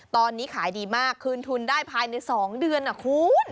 ตอนนี้ขายดีมากคืนทุนได้ภายใน๒เดือนนะคุณ